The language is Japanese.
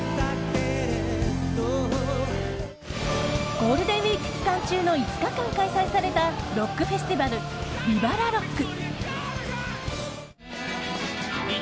ゴールデンウィーク期間中の５日間開催されたロックフェスティバルＶＩＶＡＬＡＲＯＣＫ。